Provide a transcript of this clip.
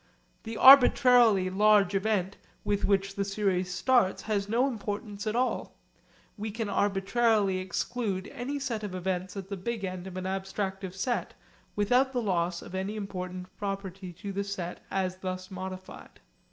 The arbitrarily large event with which the series starts has no importance at all. We can arbitrarily exclude any set of events at the big end of an abstractive set without the loss of any important property to the set as thus modified.